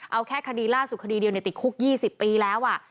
เอาแค่คดีล่าสุดคดีเดียวติดคุก๒๐ปีแล้ว